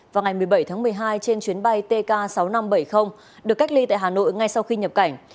vào ngày một mươi bảy tháng một mươi hai trên chuyến bay tk sáu nghìn năm trăm bảy mươi được cách ly tại hà nội ngay sau khi nhập cảnh